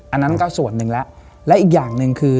อันนั้นก็ส่วนหนึ่งแล้วและอีกอย่างหนึ่งคือ